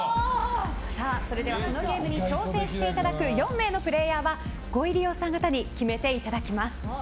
それではこのゲームに挑戦していただく４名のプレーヤーはご入り用さん方に決めてもらいます。